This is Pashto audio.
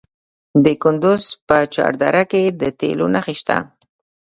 د کندز په چهار دره کې د تیلو نښې شته.